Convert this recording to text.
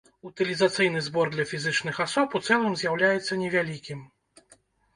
Утылізацыйны збор для фізічных асоб у цэлым з'яўляецца невялікім.